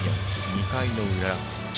２回の裏。